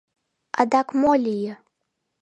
— Адак мо лие?